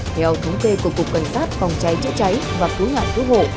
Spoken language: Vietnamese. theo thống kê của cục cảnh sát phòng cháy chữa cháy và cứu nạn cứu hộ